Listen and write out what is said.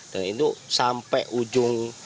dan itu sampai ujung kampung sidomulia